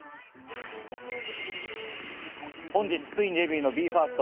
本日ついにデビューのＢＥ：ＦＩＲＳＴ